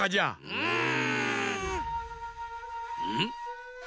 うん？